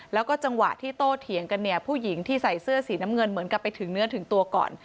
แล้วก็จังหวะที่โตเถียงกันเนี่ยผู้หญิงที่ใส่เสื้อสีน้ำเงินเหมือนกับไปถึงเนื้อถึงตัวก่อน